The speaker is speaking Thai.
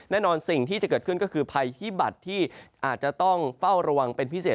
แน่นอนสิ่งที่จะเกิดขึ้นก็คือภัยพิบัตรที่อาจจะต้องเฝ้าระวังเป็นพิเศษ